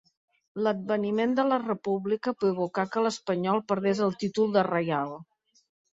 L'adveniment de la República provocà que l'Espanyol perdés el títol de Reial.